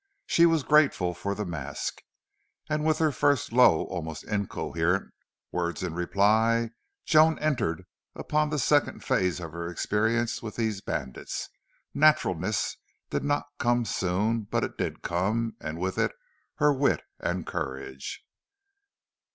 She was grateful for the mask. And with her first low, almost incoherent, words in reply Joan entered upon the second phase of her experience with these bandits. Naturalness did not come soon, but it did come, and with it her wit and courage.